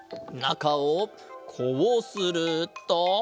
なかをこうすると。